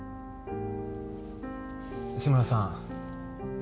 志村さん